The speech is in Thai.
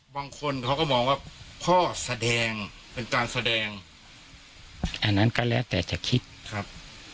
บางคนเขาก็มองว่าพ่อแสดงเป็นการแสดงอันนั้นก็แล้วแต่จะคิดครับ